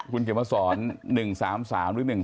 คุณเขียนมาสอน๑๓๓หรือ๑๒